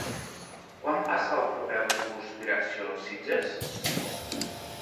Quan passa el proper autobús direcció Sitges?